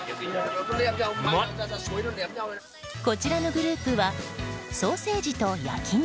こちらのグループはソーセージと焼き肉。